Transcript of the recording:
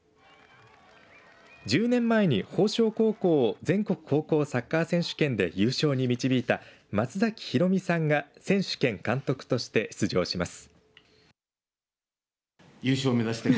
１０年前に鵬翔高校を全国高校サッカー選手権で優勝に導いた松崎博美さんが選手兼監督として出場します。